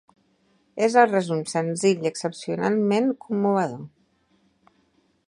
És el resum senzill i excepcionalment commovedor.